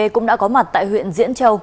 cũng đã có mặt tại huyện diễn châu